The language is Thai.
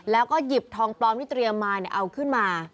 แล้วก็หยิบทองปลอมที่เตรียมมาเอาขึ้นมา